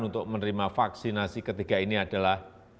untuk menerima vaksinasi ketiga ini adalah